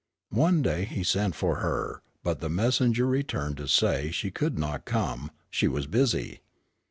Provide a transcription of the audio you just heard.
One day he sent for her, but the messenger returned to say she could not come, she was busy.